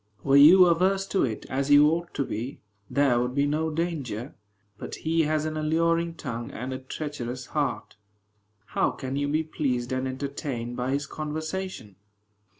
Were you averse to it, as you ought to be, there would be no danger. But he has an alluring tongue and a treacherous heart. How can you be pleased and entertained by his conversation?